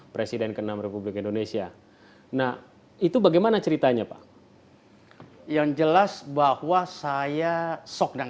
presiden ke enam republik indonesia nah itu bagaimana ceritanya pak yang jelas bahwa saya sok dan